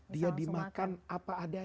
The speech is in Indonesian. dia dimakan apa ada